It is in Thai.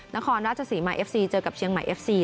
นครราชศรีมาเอฟซีเจอกับเชียงใหม่เอฟซี